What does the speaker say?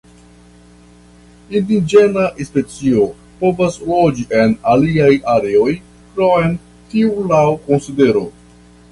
Indiĝena specio povas loĝi en aliaj areoj krom tiu laŭ konsidero.